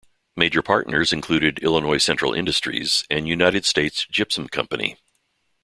Major partners included Illinois Central Industries and United States Gypsum Company.